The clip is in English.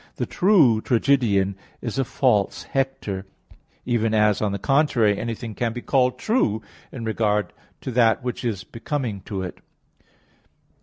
ii, 10): "The true tragedian is a false Hector": even as, on the contrary, anything can be called true, in regard to that which is becoming to it.